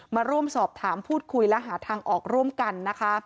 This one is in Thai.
มาร่วมสอบถามพูดคุยและหาทางออกร่วมกันนะคะ